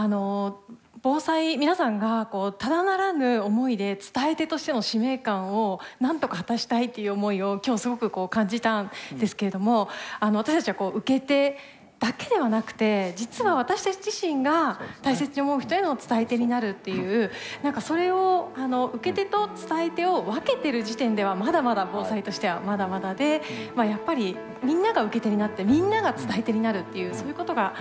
防災皆さんがただならぬ思いで伝え手としての使命感をなんとか果たしたいっていう思いを今日すごく感じたんですけれども私たちは受け手だけではなくて実は私たち自身が大切に思う人への伝い手になるっていう何かそれを受け手と伝え手を分けてる時点ではまだまだ防災としてはまだまだでやっぱり塚原さん